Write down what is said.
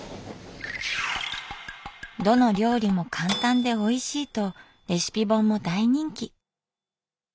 「どの料理も簡単でおいしい」とレシピ本も大人気。